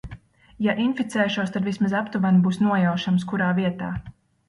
Ja inficēšos, tad vismaz aptuveni būs nojaušams, kurā vietā.